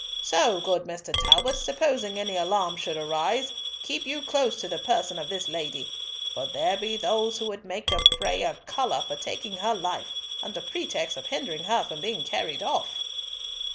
So, good Mr. Talbot, supposing any alarm should arise, keep you close to the person of this lady, for there be those who would make the fray a colour for taking her life, under pretext of hindering her from being carried off."